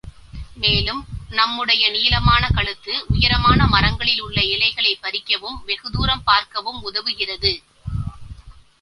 மேலும், நம் முடைய நீளமான கழுத்து உயரமான மரங்களில் உள்ள இலைகளைப் பறிக்கவும், வெகு தூரம் பார்க்கவும் உதவுகிறது.